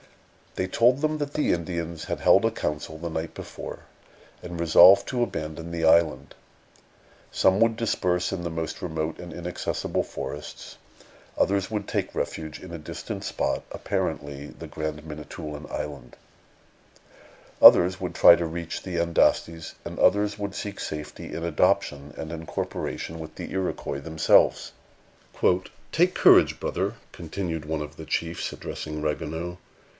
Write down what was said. They told them that the Indians had held a council the night before, and resolved to abandon the island. Some would disperse in the most remote and inaccessible forests; others would take refuge in a distant spot, apparently the Grand Manitoulin Island; others would try to reach the Andastes; and others would seek safety in adoption and incorporation with the Iroquois themselves. "Take courage, brother," continued one of the chiefs, addressing Ragueneau.